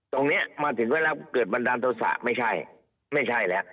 ตรงเนี่ยมาถึงเวลาเกิดบันดาลโทษศาสตร์ไม่ใช่ไม่ใช่แล้ว